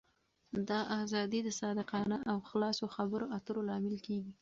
دا آزادي د صادقانه او خلاصو خبرو اترو لامل کېږي.